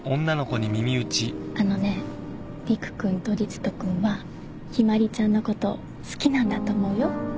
あのねリク君とリツト君はヒマリちゃんのこと好きなんだと思うよ。